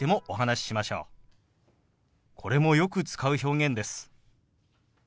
これもよく使う表現です。